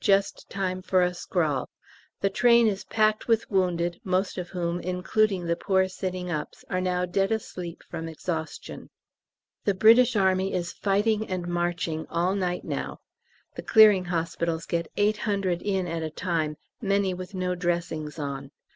Just time for a scrawl. The train is packed with wounded, most of whom, including the poor sitting ups, are now dead asleep from exhaustion. The British Army is fighting and marching all night now. The Clearing Hospitals get 800 in at a time, many with no dressings on.